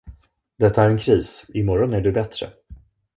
Det är en kris, i morgon är du bättre.